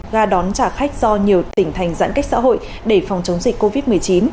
ga đón trả khách do nhiều tỉnh thành giãn cách xã hội để phòng chống dịch covid một mươi chín